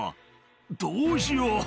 「どうしよう？」